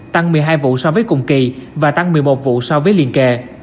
tăng một mươi hai vụ so với cùng kỳ và tăng một mươi một vụ so với liên kề